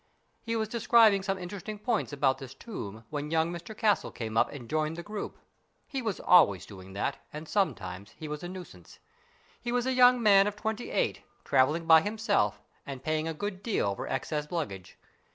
He was describing some interesting points about this tomb when young Mr Castle came up and joined the group. He was always doing that, and sometimes he was a nuisance. He was a young man of twenty eight, travelling by himself and paying a good deal for excess luggage.